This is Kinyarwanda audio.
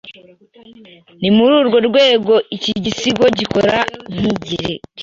Ni muri urwo rwego iki gisigo gikora nkikirego